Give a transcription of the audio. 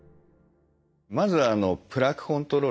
まずはプラークコントロールですね。